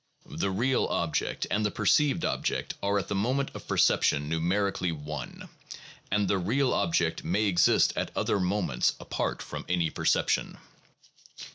The real object and the perceived object are at the moment of perception numerically one, and the real object may exist at other moments apart from any perception.